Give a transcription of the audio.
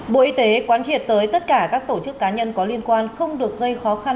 bộ y tế quán triệt tới tất cả các tổ chức cá nhân có liên quan không được gây khó khăn